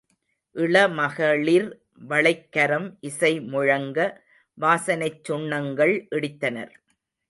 இளமகளிர் வளைக்கரம் இசை முழங்க, வாசனைச் சுண்ணங்கள் இடித்தனர்.